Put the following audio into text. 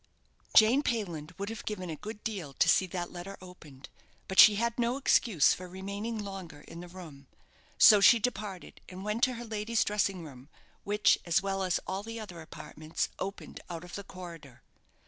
Jane Payland would have given a good deal to see that letter opened; but she had no excuse for remaining longer in the room. So she departed, and went to her lady's dressing room, which, as well as all the other apartments, opened out of the corridor.